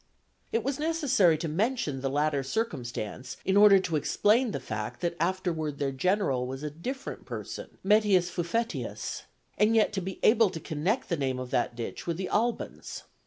It was necessary to mention the latter circumstance, in order to explain the fact that afterward their general was a different person, Mettius Fuffetius, and yet to be able to connect the name of that ditch with the Albans.